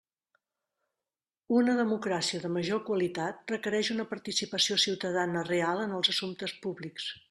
Una democràcia de major qualitat requereix una participació ciutadana real en els assumptes públics.